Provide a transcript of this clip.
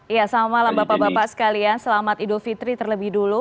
ya selamat malam bapak bapak sekalian selamat idul fitri terlebih dulu